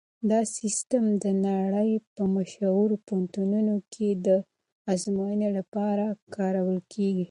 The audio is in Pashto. دا سیسټم د نړۍ په مشهورو پوهنتونونو کې د ازموینو لپاره کارول کیږي.